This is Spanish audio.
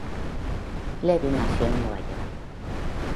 Levy nació en Nueva York.